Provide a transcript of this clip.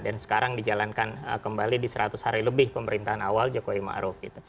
dan sekarang dijalankan kembali di seratus hari lebih pemerintahan awal jokowi ma'ruf